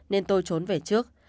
nên tôi trốn về trước